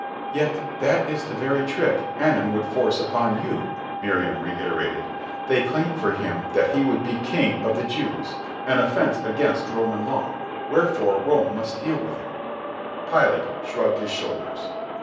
"Yet that is the very trick Hanan would force upon you," Miriam reiterated. "They claim for him that he would be king of the Jews—an offence against Roman law, wherefore Rome must deal with him." Pilate shrugged his shoulders.